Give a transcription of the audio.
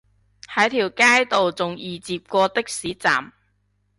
喺條街度仲易截過的士站